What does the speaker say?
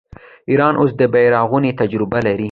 ایران اوس د بیارغونې تجربه لري.